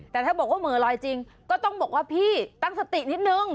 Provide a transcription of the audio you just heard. แต่ถ้าบอกว่าเหม่อลอยจริงก็ต้องบอกว่าพี่ตั้งสตินิดนึง